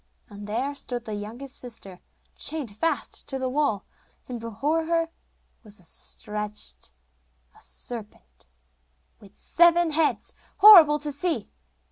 And there stood the youngest sister, chained fast to the wall, and before her was stretched a serpent with seven heads, horrible to see.